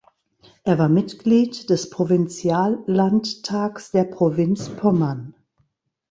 Er war Mitglied des Provinziallandtags der Provinz Pommern.